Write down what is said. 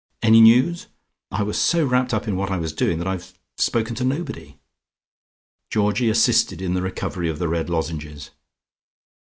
Any news? I was so wrapped up in what I was doing that I've spoken to nobody." Georgie assisted in the recovery of the red lozenges.